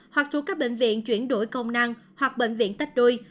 hoặc thuộc các bệnh viện chuyển đổi công năng hoặc bệnh viện tách đôi